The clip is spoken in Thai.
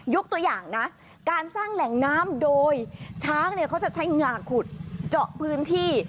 ตัวอย่างนะการสร้างแหล่งน้ำโดยช้างเนี่ยเขาจะใช้งาขุดเจาะพื้นที่